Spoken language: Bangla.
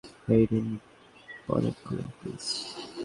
এই নিন, বনেট খুলুন, প্লিজ।